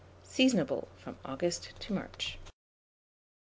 Seasonable from August to March.